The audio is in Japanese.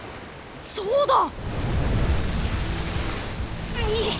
そうだ！